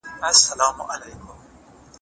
موږ باید د علم لپاره زیار وباسو.